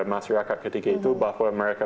masyarakat ketika itu bahwa mereka